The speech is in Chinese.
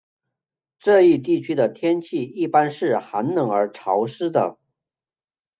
这一地区的天气一般是寒冷而潮湿的。